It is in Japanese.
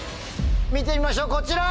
見てみましょうこちら。